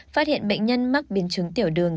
phát hiện bệnh nhân mắc biến trứng tiểu đường